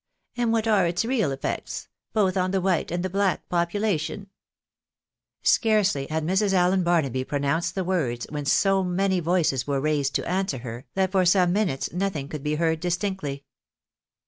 And what are its real effects, both on the white and the black population ?"' Scarcely had Mrs. Allen Barnaby pronounced the words, when so many voices were raised to answer her, that for some minutes nothing could be heard distinctly.